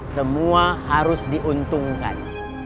semua harus diuntungkan